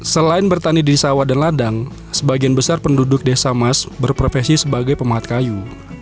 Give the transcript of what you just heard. selain bertani di sawah dan ladang sebagian besar penduduk desa mas berprofesi sebagai pemahat kayu